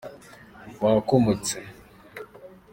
Wakomotse.